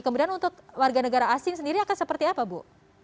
kemudian untuk warga negara asing sendiri akan seperti apa bu